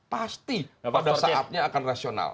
pasti pada saatnya akan rasional